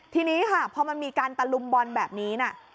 ทีนี้ค่ะพอมันมีการตะลุมบอลแบบนี้นะ